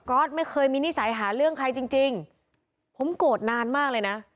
ไม่เคยมีนิสัยหาเรื่องใครจริงจริงผมโกรธนานมากเลยนะ